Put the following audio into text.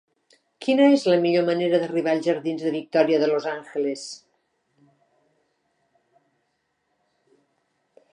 Quina és la millor manera d'arribar als jardins de Victoria de los Ángeles?